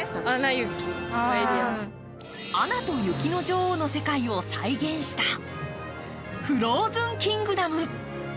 「アナと雪の女王」の世界を再現したフローズンキングダム。